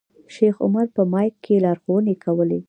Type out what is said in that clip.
شیخ عمر په مایک کې لارښوونې کولې.